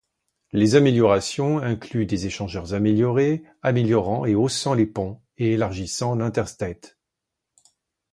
Les améliorations incluent des échangeurs améliorés, améliorant et haussant les ponts, et élargissant l'interstate.